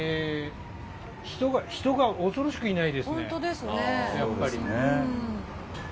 人が恐ろしくいないですね。